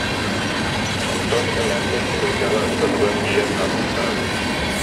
Онтон эмээхсин түһүлгэҕэ дьонугар тиийэн ас астаабыт